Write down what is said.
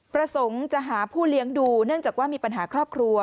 ประสงค์จะหาผู้เลี้ยงดูเนื่องจากว่ามีปัญหาครอบครัว